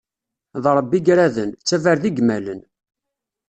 D Ṛebbi i iraden, d tabarda i yemmalen.